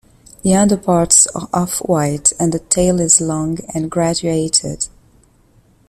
The underparts are off-white and the tail is long and graduated.